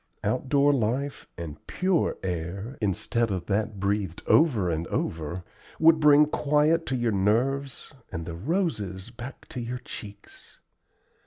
Outdoor life and pure air, instead of that breathed over and over, would bring quiet to your nerves and the roses back to your cheeks.